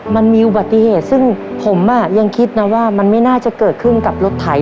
มันมีอุบัติเหตุซึ่งผมยังคิดนะว่ามันไม่น่าจะเกิดขึ้นกับรถไถ